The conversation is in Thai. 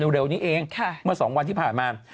เร็วนี้เองเมื่อ๒วันที่ผ่านมา